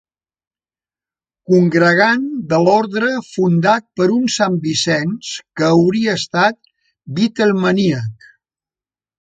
Congregant de l'orde fundat per un sant Vicenç que hauria estat beatlemaníac.